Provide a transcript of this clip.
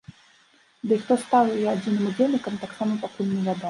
Ды і хто стаў яе адзіным удзельнікам таксама пакуль не вядома.